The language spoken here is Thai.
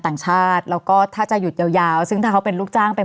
ต่างชาติแล้วก็ถ้าจะหยุดยาวยาวซึ่งถ้าเขาเป็นลูกจ้างเป็น